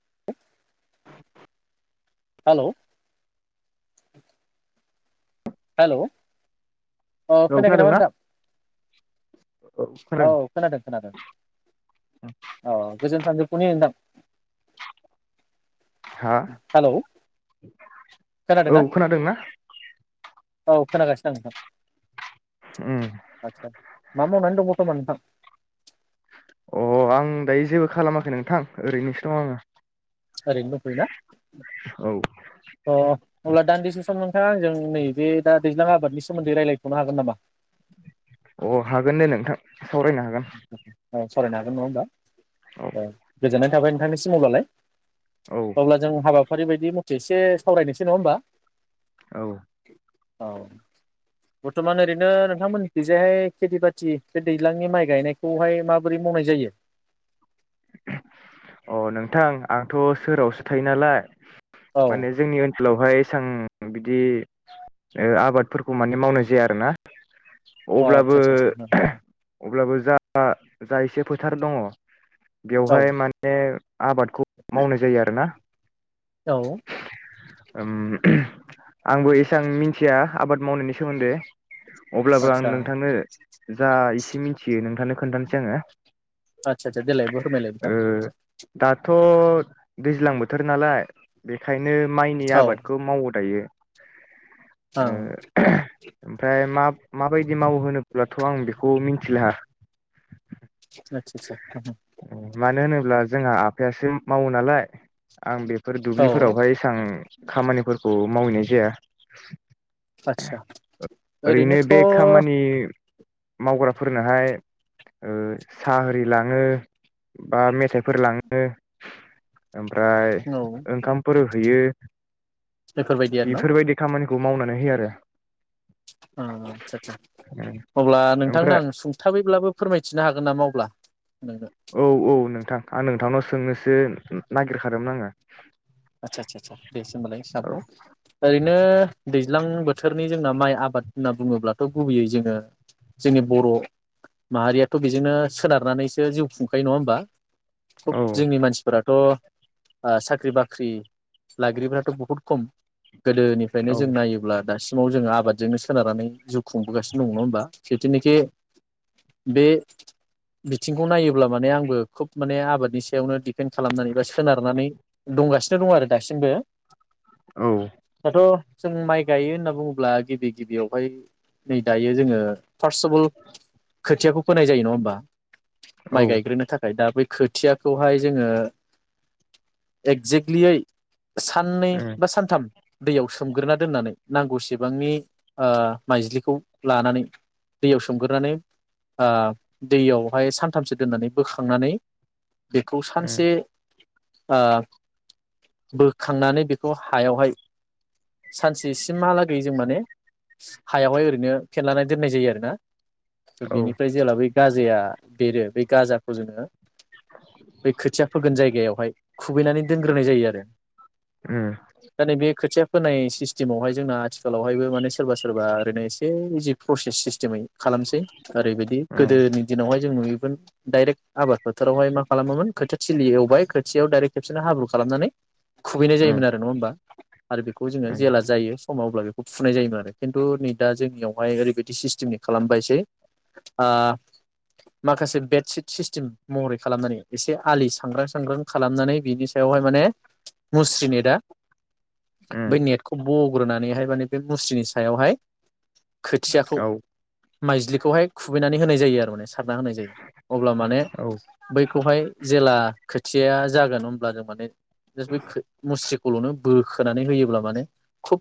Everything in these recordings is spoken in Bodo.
[inaudible] हेलौ हेलौ अ औ खोनायाखै नामा खोनादोंना नोंथां औ खोनादों खोनादों औ गोजोन सानजौफुनि नोंथां हा हेलौ औ खोनादोंना खोनादों ना औ खोनागासिनो आं नोंथां उम आदसा मा मावनानै दङ [unintelligible] अ आं दायो जेबो खालामाखै नोंथां ओरैनोसो दङ आङो ओरैनो दंथ'योना औ अ अब्ला दानदि से सम नोंथाङां आंजों नैबे दा दैज्लां आबादनि सोमोन्दै रायलायथनो हागोन नामा अ हागोन दे नोंथां सावरायनो हागोन औ सावरायनो हागोन नङा होमबा औ ओ गोजोननाय थाबाय नोंथांनिसिम अब्लालाय औ अब्ला जों हाबा फारि बायदि मथे एसे सावरायनोसै नङा होमबा औ औ बर्थमान ओरैनो नोंथांमोनिखैजाय खेथि बाथि बे दैज्लांनि माइ गायनायखौहाय माबोरै मावनाय जायो अ नोंथां आंथ' सोहोरावसो थायो नालाय औ माने जोंनि ओन सोलावहाय एसां बिदि ओ आबादफोरखौ माने मावनाय जाया आरोना अ अब्लाबो आदसा आदसा आदसा अब्लाबो जा जा एसे फोथार दङ औ बेवहाय माने आबादखौ मावनाय जायो आरोना औ उम आंबो एसां मिनथिया आबाद मावनायनि सोमोन्दै । अब्लाबो आं आदसा आदसा नोंथांनो जा एसे मिथियो नोंथांनो खोन्थानोसै आङो आतसा सा आ देलाय फोरमालाय नोंथां। ओ दाथ' दैज्लां बोथोर नालाय बेखाय नो माइनि औ आबादखौ मावो दायो। ओ ओं ओमफ्राय मा माबायदि बिदि मावहोब्लाथ' आं बेखौ मिनथिला आतसा आतसा उम मानो होनोब्ला जोंहा आफायासो मावो नालाय आं बे बे औ दुब्लिफोरावहाय एसेबां खामानि फोरखौ मावहैनाय जाया। आतसा ओरैनो ओरैनोथ' बे खामानि मावग्राफोरनोहाय ओ साहा ओ ओरि लाङो बा मेथाइफोर लाङो ओमफ्राय ओंखामफोर हैयो। बेफोरबायदि आरो न' बेफोरबायदि खामानि खौ मावनानै होयो आरो। ओ आदसा आसा अब्ला नोंथांनो ओमफ्राय आं सुंथाबैब्लाबो फोरमायथिनो हागोन नामा? अब्ला नोंनो औ औ नोंथां। आं नोंथांनाव सोंनोसो नागिरखादोंमोन आङो। आदसा आसा आ दे सों होनबालाय साबगौ ओरैनो दैज्लां बोथोरनि जोंना माइ आबाद होनना बुङोब्लाथ' गुबैयै जोङो जोंनि बर' माहारियाथ' बेजोंनो सोनारनानैसो जिउ खुंखायो नङा होमबा? खुब औ जोंनि मानसिफोरा थ' ओ साख्रि बाख्रि साख्रि लाग्रिफथ' बहुद खम गोदोनिफ्रायनो औ जों नायोब्ला दासिम समाव जोङो आबादजोंनो सोनारनानै जिउ खुंबोगासिनो दङ नङा होमबा खेतुनिखे बे बिथिंखौ नायोब्ला माने आंबो खोब माने आबादनि सायावनो दिपेन्ड खालामनानै बा सोनारनानै दंगासिनो दं आरो दासिमबो औ दाथ' जों माइ गायो होनना बुङोब्ला गिबि गिबियावहाय नै दायो जोङो फार्स्ट अफ अल खोथियाखौ फोनाय जायो नङा होमबा औ माइ गायग्रोनो थाखाय दा बै खोथियाखौहाय जोङो एक्जेक्टलियै साननै उम बा सानथाम दैयाव सोमग्रोना दोननानै नांगौसेबांनि ओ माइज्लिखौ लानानै दैयाव सोमग्रोनानै ओ दैयावहाय सानथामसो दोननानै बोखांनानै बेखौ उम सानसे ओ बोखांनानै बेखौ हायावहाय सानसे सिमहालागै जों माने हायावहाय ओरैनो फेनलानानै दोननाय जायो आरोना। त' औ बिनिफ्राय जेला बे गाजा या बेरो बे गाजाखौ जोङो बे खोथिया फोगोन जायगायाव हाय खु दोनग्रोनाय जायो आरो उम दा नैबे खोथिया फोनाय सिस्टेमावहाय जोंना आथिखालावहायबो माने सोरबा सोरबा ओरैनो एसे इजि प्रसेस सिस्टिम मै खालामसै आरो बिदि गोदोनि दिनावहाय जों नुयोमोन डाइरेक्ट आबाद फोथावहाय मा खालामामोन खोथियाथिलि एवबाय खोथियायाव डाइरेक्ट बिदिनो हाब्रु खालामनानै खुबैनाय उम जायोमोन आरो नङा होमबा? आरो बेखौ जोङो जेला जायो। समावब्ला बेखौ फुनाय जायोमोन आरो खिन्थु नै दा जोंनियावहाय ओरैबायदि सिस्टेमनि खालामबायसै ओ माखासे बेडसिट सिस्टेम महरै खालामनानै एसे आलि सांग्रां सांग्रां खालामनानै बिनि सायावहाय माने मुस्रि नेटआ उम उम बै नेटखौ बग्रोनानैहाय माने बे मुस्रिनि सायावहाय खोथियाखौ औ माइज्लिखौहाय खुबैनानै होनाय जायो आरो माने सा खारना होनाय जायो अब्ला माने औ बै खौहाय जेला खोथियाया जागोन अब्ला जों माने बै मुस्रिखौल'नो बोखोनानै होयोब्ला माने खुुब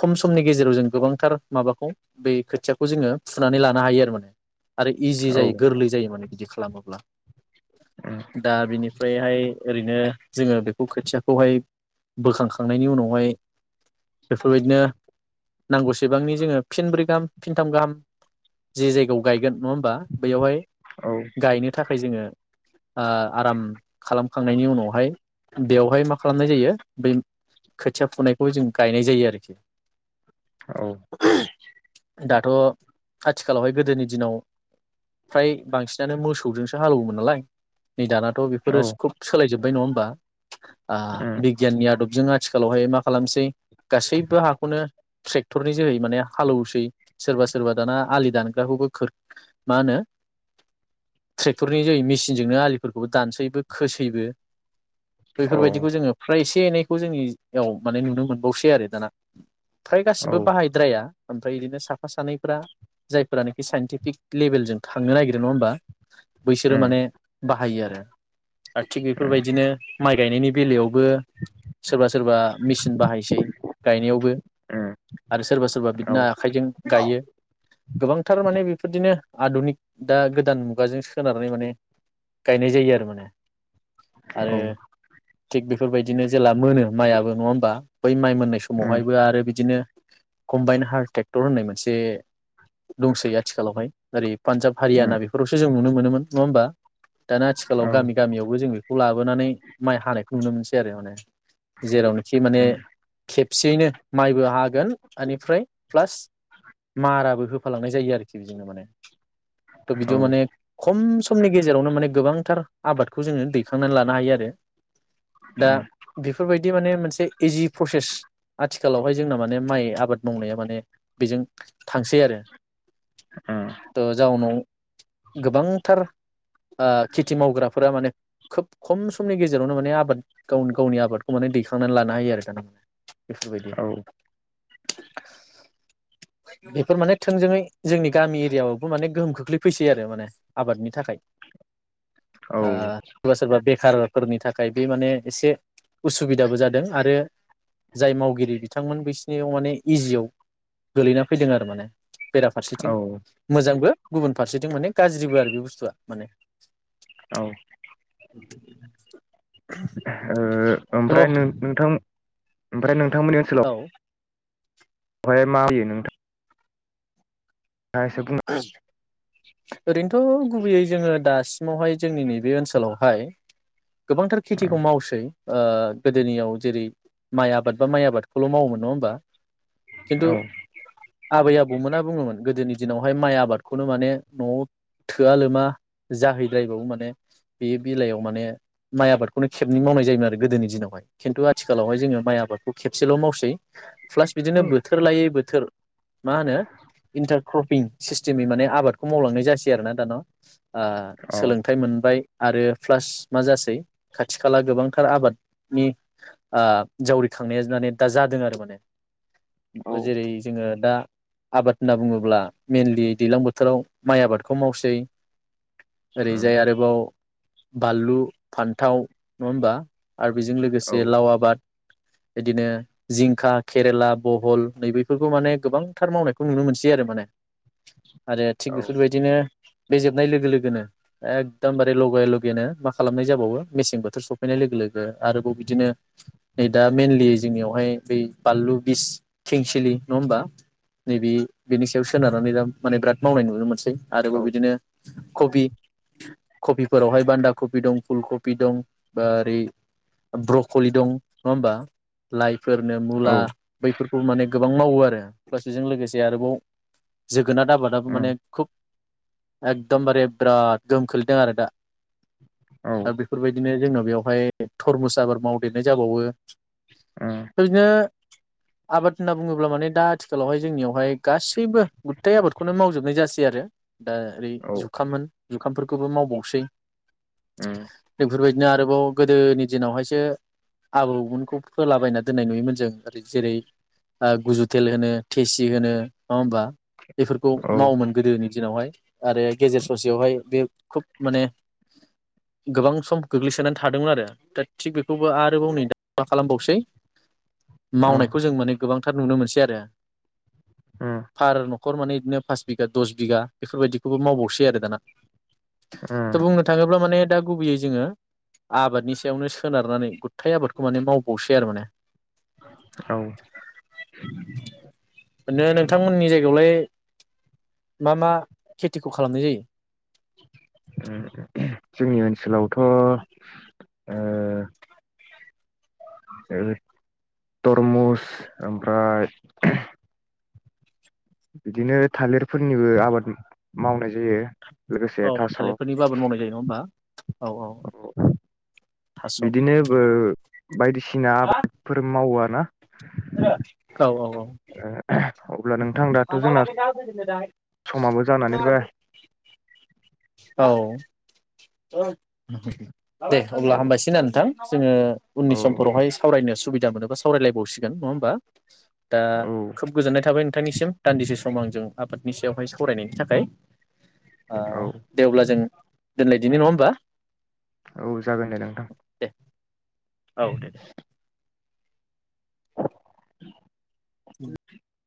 खम समनि गेजेराव जों गोबांथार माबाखौ बे खोथियाखौ जोङो फुनानै लानो हायो आरो माने आरो इजि औ जायो गोरलै जायो माने बिदि खालामोब्ला उम दा बिनिफ्रायहाय ओरैनो जोङो बेखौ खोथियाखौहाय बोखांखांनायनि उनावहाय बेफोरबायदिनो नांगौसेबांनि जोङो फिन ब्रै गाहाम फिनथाम गाहाम जे जायगायाव गायगोन नङा होमबा बेयावहाय। औ गायनो थाखाय जोङो। आ आराम खांनायनि उनावहाय बेवहाय मा खालामनाय जायो बै खोथिया फुनायखौ जों गायनाय जायो आरोखि औ दा थ' आथिखालावहाय गोदोनि दिनाव फ्राय बांसिनानो मो सौजोंसो हालेवोमोन नालाय नै दानाथ' बेफोरो खुब सोलायजोबबाय नङा होमबा ओ बिगियाननि आदबजों आथिखालावहाय मा खालामसै गासैबो हाखौनो ट्रेक्टरनि जोहै माने हालौवसै सोरबा सोरबा दाना आलि दानग्राखौबो मा होनो ट्रेक्टरनि जोहै मेसिनजोंनो आलिफोरखौबो दानसैबो खोसैबो बेफोरबायदिखौ जोङो फ्राय एसे एनै खौ जोंनियाव माने नुनो मोनबावसै आरो दाना फ्राय औ गासिबो बाहायद्राया ओमफ्राय बिदिनो साफा सानैफ्रा जायफोरानिखि साइन्टिफिक लेभेलजों थांनो नागिरो नङा होमबा बैसोरो उम माने बाहायो आरो [unintelligible] आरो थिग अ औ बेफोरबायदिनो माइ गायनायनि बेलायाव बो सोरबा सोरबा मेचिन बाहायसै गायनायावबो उम आरो सोरबा सोरबा बिदिनो आखाइजों गायो गोबांथार माने बेफोरदिनो आदुनिक दा गोदान मुगाजों सोनारनानै माने गायनाय जायो आरो माने आरो थिग बेफोरबायदिनो जेला मोनो माइयाबो नङा हबा बै माइ मोन फनाय समावहायबो आरो बिदिनो कम्बाइन हारट्रेक्टर होननाय मोनसे दंसै आथिखालावहाय ओरै पान्जाब उम हारियाना बेफोरावसो जों नोनो मो नोमोन नङा होमबा दाना औ आथिखालाव गामि गामियावबो जों बेखौ लाबोनानै माइ हानायखौ नुनो मोनसै आरो माने जेरावनो माने उम उम खेबसेयैनो माइबो हागोन बेनिफ्राय प्लास माराबो होफालांनाय जायो आरोखि बेजोंनो माने थ' औ बिदियाव उम औ उम माने खम समनि गेजेरावनो माने गोबां थार आबादखौ जोङो दैखांनानै लानो हायो आरो दा बेफोरबायदि माने मोनसे एसे इजि प्रसेस आथिखालावहाय जोंना माने माइ आबाद मावनाया माने बेजों थांसै आरो जाउनाव गोबांथार खेथि मावग्रा फोरा माने खोब खम समनि गेजेरावनो माने आबाद गाव गावनि आबादखौ माने दैखांनानै लानो हायो आरो थारमाने । बेफोरबायदि औ [inaudible] बेफोर माने थोंजोङै जोंनि गामि एरियायावबो माने गोहोम खोख्लैफैसै आरो माने आबादनि थाखाय । ओ सोरबा सोरबा बे कारफोरनि थाखाय बे माने एसे उसुबिदाबो जादों आरो जाय मावगिरि बिथांमोन बिसिनियाव माने इजियाव गोलैना फैदों आरो माने बेराफारसेथिं औ मोजांबो गुबुन फारसेथिं माने गाज्रिबो आरो बे बुस्थुआ माने । औ [inaudible] ओ थ' ओमफ्राय नों-नोंथां ओमफ्राय नों नोंथांमोननि ओनसोलाव औ बेहाय मा होयो नोंथां? औ ओरैनोथ' गुबैयै जोङो दासिमावहाय जोंनि नैबे ओनसोलावहाय गोबांथार खेथिखौ मावसै ओ गोदोनियाव जेरै माइ आबाद बा माइ आबादखौल' मावोमोन नङा होमबा? खिन्थु औ आबै आबौमोना बुङोमोन गोदोनि दिनावहाय माइ आबादखौनो माने न'आव थोआ लोमा जाहैद्रायबावो माने बे बेलायाव माने माइ आबादखौनो खेबनै मावनाय जायोमोन आरो गोदोनि दिनावहाय खिन्थु आथिखालावहाय जोङो माइ आबादखौ खेबसेल' मावसै । प्लास बिदिनो बोथोर लायै बोथोर मा होनो इन्टार क्रपिं सिस्टेमै माने आबादखौ मावलांनाय जासै आरो ना दाना । औ सोलोंथाइ मोनबाय आरो प्लास मा जासै खाथि खाला गोबांथार आबादनि जावरिखांनाया माने दा जादों आरो माने उम जेरै जोङो दा आबाद होनना बुङोब्ला अब्ला मइेनलि दैज्लां बोथोराव माइ आबादखौ मावसै । ओरैजाय आरोबाव बानलु फान्थाव नङा होमबा आरो बेजों औ लोगोसे लाव आबाद बिदिनो जिंखा केरेला बहल नैबेफोरखौ माने गोबांथार मावनायखौ नुनो मोनसि बिदि आरो माने आरो थिग औ बेफोरबायदिनो बे जोबनाय लोगो लोगोनो एकदमबारे लगे लगेनो मा खालामनाय जाबावो मेसें बोथोर सफैनाय लोगो लोगो आरोबाव बिदिनो नै दा मेनलि जोंनियावहाय बै बानलु बिस खेंसिलि नङा होमबा नैबे बिनि सायाव सोनारनानै दा माने बिराद मावनाय नुनो मोनसै । आरोबाव औ बिदिनो कबि कबिफोरावहाय बान्दा कबि दं फुलकबि दं बा ओ ओरै ब्रक'लि दं नङा होमबा लाइट फोरनो मुला बै माने गो गोबां मावो आरो प्लास बेजों लोगोसे आरोबाव जो गोनाद आबादाबो माने उम खुब एकदमबारे बिराद गोहोम खोलैदों आरो दा औ उम दा बेफोरबायदिनो जोंनाव बेवहाय थरमुसाबाद मावदेरनाय जाबावो । दा बिदिनो आबाद होनना बुङोब्ला माने दा आथिखालावहाय जोंनियावहाय गासैबो गुथथाय आबादखौनो मावजोबनाय जासि आरो दा ओरै औ उम औ जुखाम होन जुखामफोरखौबो मावबावसै उम बेफोर बादि बिदिनो आरोबाव गोदोनि दिनावहायसो आबौमोनखौ फोलाबायना दोननाय नुयोमोन जों ओै जेरै गुजुथेल होनो थेसि होनो । नंङा होनब्ला बेफोरखौ मावोमोन गोदोनि दिनावहाय आरो गेजेर ससेयावहाय बे खुब माने गोबां सम गोग्लैसोनानै थादोंमोन आरो दा थिग बेखौबो आरोबाव नै दा मा खालामबावसै मावनायखौ जों माने गोबां टार नुनो मोनसै आरो उम हार न खर माने बिदिनो पास बिगा दस बिगा बेफोरबायदिखौबो मावबावसै आरो दाना । उम दा बुंनो थाङोब्ला माने दा गुबैयै जोङो आबादनि सायावनो सोनारनानै गुथाय आबादखौ माने मावबावसै आरो माने । औ ओरैनो नोंथांमोननि जायगायावलाय मा मा खेथिखौ खालामनाय जायो । थ' ओ तरमुस ओमफ्राय बिदिनो थालिरफोरनिबो आबाद मावनाय जायो । लोगोसे औ थास' थालिरफोरनिबो आबाद मावनाय जायो नङा होमबा औ औ थास' औ बिदिनो ओ बायदिसिना आबादफोर मावो आरो ना । औ औ औ ओ अब्ला नोंथां दाथ' जोंना समाबो जानानै फैबाय [unintelligible] अ दे औ अब्ला हामबायसै ना नोंथां जोङो उननि औ समफोरावहाय सावरायनो सुबिदा दा मोनोबा सावरायलायबावसिगोन नङा होमबा? दा औ खोब गोजोननाय थाबाय । नोंथांनिसिम दान्दिसे सम आंजों आबादनि सायावहाय सावरायनायनि थाखाय । औ ओ दे अब्ला जों दोनलायदिनि नङा होमबा? औ जागोन दे नोंथां दे औ दे दे [inaudible]